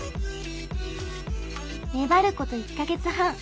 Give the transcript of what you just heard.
粘ること１か月半。